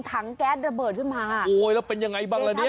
ถังแก๊สระเบิดขึ้นมา